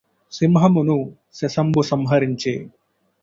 సింహమును శశంబు సంహరించె